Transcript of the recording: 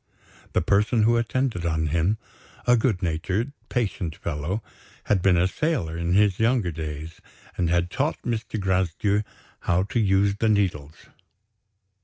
The person who attended on him, a good natured, patient fellow, had been a sailor in his younger days, and had taught Mr. Gracedieu how to use the needles.